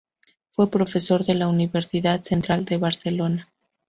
Fue profesor de la Universidad Central de Barcelona.